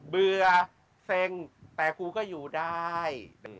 เบื่อเซ็งแต่กูก็อยู่ได้